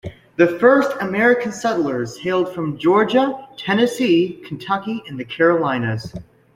The first American settlers hailed from Georgia, Tennessee, Kentucky, and the Carolinas.